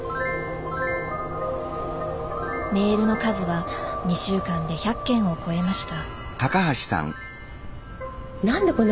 メールの数は２週間で１００件を超えました。